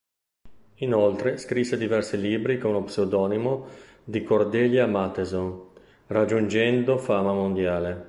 Inoltre scrisse diversi libri con lo pseudonimo di Cordelia Matheson raggiungendo fama mondiale.